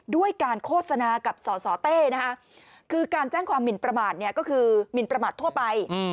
ด้วยการโฆษณากับส่อเต้นะฮะ